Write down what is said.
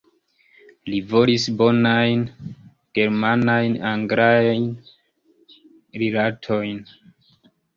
Li volis bonajn germanajn-anglajn rilatojn.